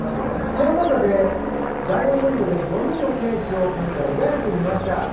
その中でダイヤモンドで５人の選手を今回描いてみました。